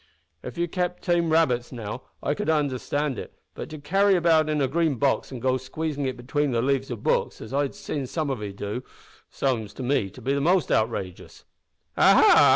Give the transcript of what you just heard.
If you kep' tame rabbits, now, I could understand it, but to carry it about in a green box an' go squeezin' it between the leaves o' books, as I've seed some of 'ee do, seems to me the most outrageous " "Ha, ha!"